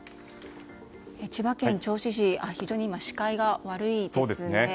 千葉県銚子市非常に視界が悪いですね。